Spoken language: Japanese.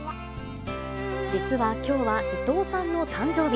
実はきょうは伊藤さんの誕生日。